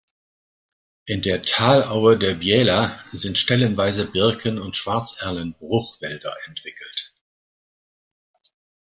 In der Talaue der Biela sind stellenweise Birken- und Schwarzerlen-Bruchwälder entwickelt.